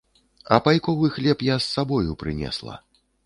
А пайковы хлеб я з сабою прынесла.